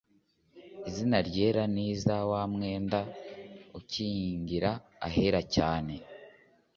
Izina ryera ni iza wa mwenda ukingiriza ahera cyane